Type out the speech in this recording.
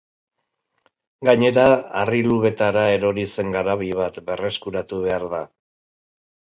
Gainera, harri-lubetara erori zen garabi bat berreskuratu behar da.